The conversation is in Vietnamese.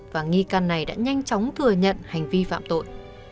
và nghi can này đã nhanh chóng thừa nhận hành vi phạm tội